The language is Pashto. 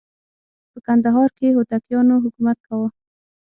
په کندهار کې هوتکیانو حکومت کاوه.